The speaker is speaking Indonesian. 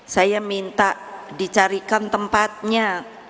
saya minta dicarikan tempatnya